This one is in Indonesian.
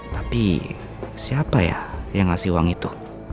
tapi siapa ya yang ngasih uang itu